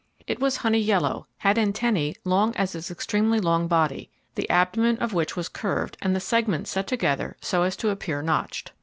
It was honey yellow, had antennae long as its extremely long body, the abdomen of which was curved and the segments set together so as to appear notched.